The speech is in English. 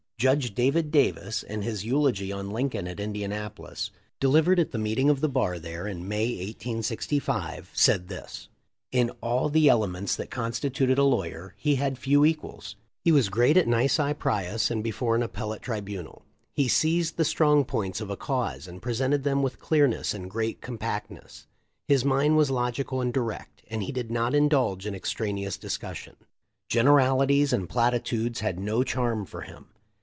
Judge David Davis, in his eulogy on Lincoln at Indianapolis, delivered at the meeting of the bar there in May, 1865, said this: "In all the elements that constituted a lawyer he had few equals. He was great at nisi prius and before an appellate tribunal. He seized the strong points of a cause and presented them with clearness and great compactness. His mind was logical and direct, and he did not indulge in extraneous discussion. Generalities and platitudes had no charm for him.